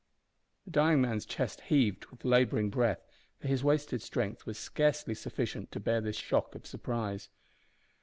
The dying man's chest heaved with labouring breath, for his wasted strength was scarcely sufficient to bear this shock of surprise.